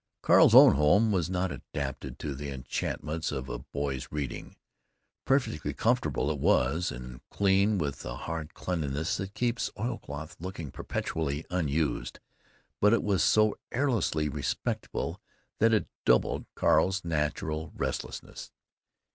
Carl's own home was not adapted to the enchantments of a boy's reading. Perfectly comfortable it was, and clean with the hard cleanness that keeps oilcloth looking perpetually unused, but it was so airlessly respectable that it doubled Carl's natural restlessness.